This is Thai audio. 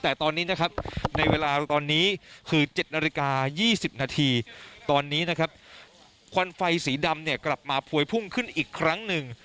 แต่ตอนนี้ในเวลา๗นาฬิกา๒๐นาทีตอนนี้ควันไฟสีดำกลับมาพวยพุ่งขึ้นอีกครั้งหนึ่ง